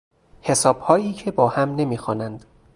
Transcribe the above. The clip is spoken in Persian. حسابهایی که باهم نمیخوانند